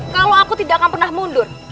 kalau aku tidak akan pernah mundur